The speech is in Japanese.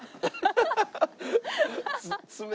ハハハハ！